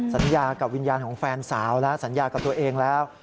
สัญญากับวิญญาณของแฟนสาวแล้วสัญญากับตัวเองแล้ว